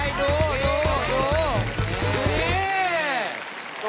สวัสดีครับ